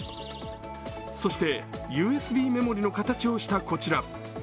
そして、ＵＳＢメモリの形をしたこちら。